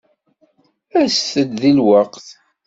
Aset-d deg lweqt.